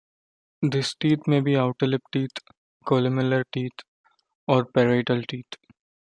These teeth may be outer lip teeth, columellar teeth or parietal teeth.